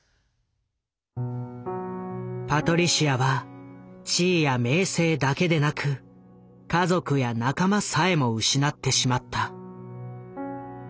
パトリシアは地位や名声だけでなく家族や仲間さえも失ってしまった。